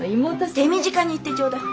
手短に言ってちょうだい。